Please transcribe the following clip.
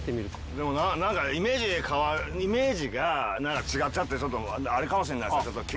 でもなんかイメージが違っちゃってちょっとあれかもしれないですよ。